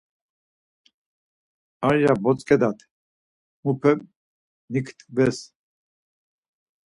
Ar ya botzǩe-dat mupe nitkves.